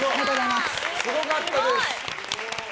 すごかったです！